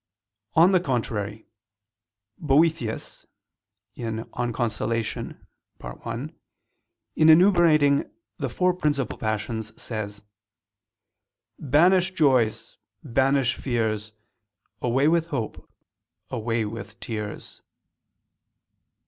On the contrary, Boethius (De Consol. i) in enumerating the four principal passions, says: "Banish joys: banish fears: Away with hope: away with tears."